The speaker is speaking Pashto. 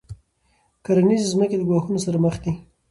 کرنیزې ځمکې له ګواښونو سره مخ دي.